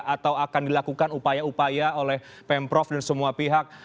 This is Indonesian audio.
atau akan dilakukan upaya upaya oleh pemprov dan semua pihak